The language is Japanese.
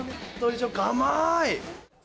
甘い！